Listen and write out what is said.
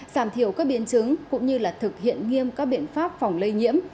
giảm thiểu các biến chứng cũng như là thực hiện nghiêm các biện pháp phòng lây nhiễm